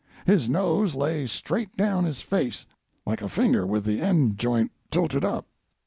His nose lay straight down his face, like a finger with the end joint tilted up.